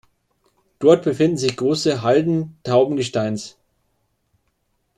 Dort befinden sich große Halden tauben Gesteins.